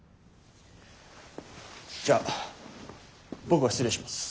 じゃあ僕は失礼します。